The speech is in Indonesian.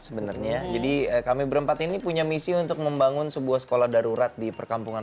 sebenarnya jadi kami berempat ini punya misi untuk membangun sebuah sekolah darurat di perkampungan